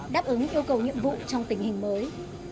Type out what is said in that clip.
đáp ứng yêu cầu nhiệm vụ trong tình hình mới